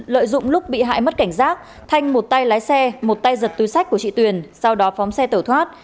lợi dụng lúc bị hại mất cảnh giác thanh một tay lái xe một tay giật túi sách của chị tuyền sau đó phóng xe tẩu thoát